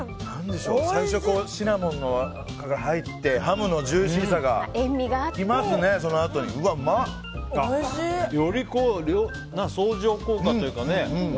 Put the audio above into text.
最初はシナモンが入ってハムのジューシーさがより相乗効果というかね。